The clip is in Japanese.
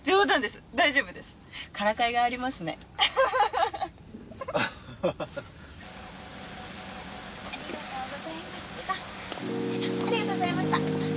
よいしょありがとうございました。